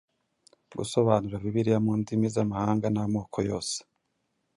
gusobanura Bibiliya mu ndimi z’amahanga n’amoko yose.